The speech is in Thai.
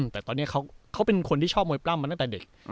แต่ตอนนี้เขาเป็นคนที่ชอบมวยปล้ำมาตั้งแต่เด็ก